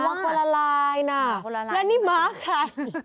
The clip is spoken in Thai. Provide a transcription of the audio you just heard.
คนละลายน่ะแล้วนี่ม้าใคร